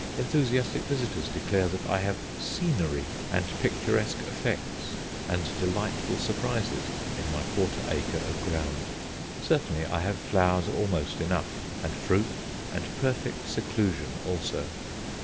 Enthusiastic visitors declare that I have "scenery," and picturesque effects, and delightful surprises, in my quarter acre of ground! Certainly I have flowers almost enough, and fruit, and perfect seclusion also.